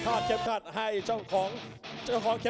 แต่คุณค้ายความรักต้องรู้แน่